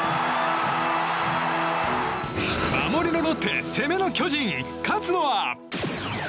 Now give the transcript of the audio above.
守りのロッテ、攻めの巨人勝つのは？